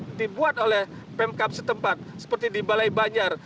yang dibuat oleh pemkap setempat seperti di balai banjar